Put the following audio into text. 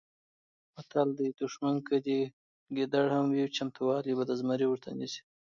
متل دی: دوښمن دې که ګیدړ هم وي چمتوالی به د زمري ورته نیسې.